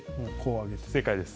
正解です。